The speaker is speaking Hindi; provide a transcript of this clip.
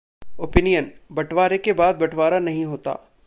Opinion: 'बंटवारे के बाद बंटवारा नहीं होता'